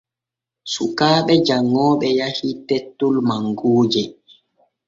Sukaaɓe janŋooɓe yahii tettol mangooje.